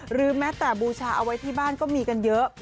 หรือแม้แต่บูชาเอาไว้ที่บ้านก็มีกันเยอะ